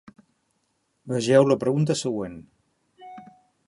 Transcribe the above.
Vegeu la pregunta següent.